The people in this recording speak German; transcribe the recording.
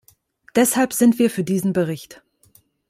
Deshalb sind wir für diesen Bericht.